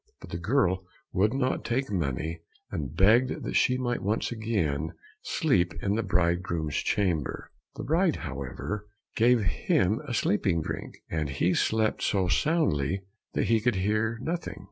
But the girl would not take money, and begged that she might once again sleep in the bridegroom's chamber. The bride, however, gave him a sleeping drink, and he slept so soundly that he could hear nothing.